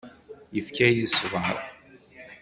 Yekfa-yi ṣṣber.